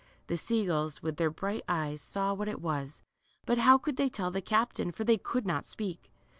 The sea gulls, with their bright eyes, saw what it was, but how could they tell the captain, for they could not speak.